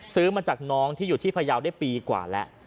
ซื้อมาจากน้องที่อยู่ที่พยาวได้ปีกว่าแล้ว